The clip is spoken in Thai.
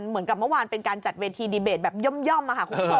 เหมือนกับเมื่อวานเป็นการจัดเวทีดีเบตแบบย่อมค่ะคุณผู้ชม